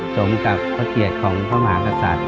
สมกับพระเกียรติของพระมหากษัตริย์